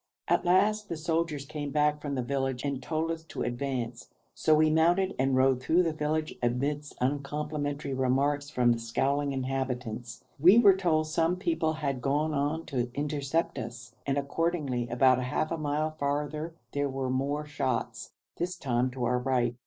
At last the soldiers came back from the village and told us to advance, so we mounted and rode through the village amidst uncomplimentary remarks from the scowling inhabitants. We were told some people had gone on to intercept us, and accordingly about half a mile farther there were more shots, this time to our right.